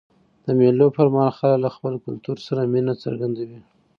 د مېلو پر مهال خلک له خپل کلتور سره مینه څرګندوي.